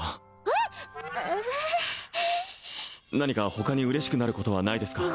えっ何か他に嬉しくなることはないですか？